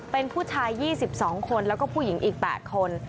เป็นผู้ชาย๒๒คนแล้วก็ผู้หญิงอีก๘คน